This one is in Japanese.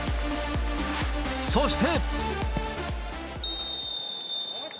そして。